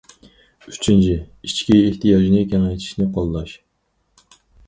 ئۈچىنچى، ئىچكى ئېھتىياجنى كېڭەيتىشنى قوللاش.